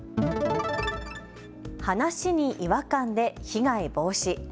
話に違和感で被害防止。